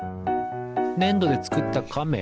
ねんどでつくったカメ？